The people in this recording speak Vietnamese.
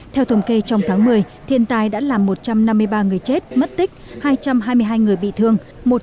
theo thống kê trong tháng một mươi thiên tai đã làm một trăm năm mươi ba người chết mất tích hai trăm hai mươi hai người bị thương